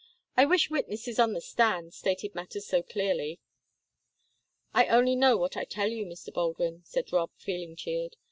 "I wish witnesses on the stand stated matters so clearly." "I only know what I tell you, Mr. Baldwin," said Rob, feeling cheered.